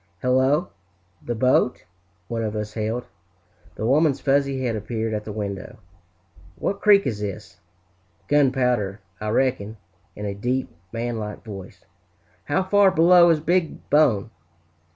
"Hello, the boat!" one of us hailed. The woman's fuzzy head appeared at the window. "What creek is this?" "Gunpowder, I reck'n!" in a deep, man like voice. "How far below is Big Bone?"